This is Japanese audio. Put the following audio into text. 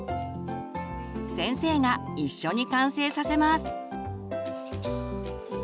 先生が一緒に完成させます。